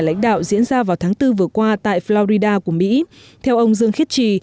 lãnh đạo diễn ra vào tháng bốn vừa qua tại florida của mỹ theo ông dương khiết trì